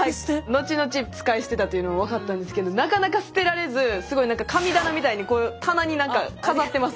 後々使い捨てだというのは分かったんですけどなかなか捨てられずすごいなんか神棚みたいにこう棚になんか飾ってます